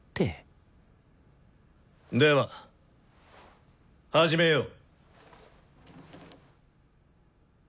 では始めよう。